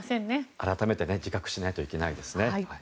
改めて自覚しないといけませんね。